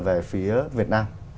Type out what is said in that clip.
về phía việt nam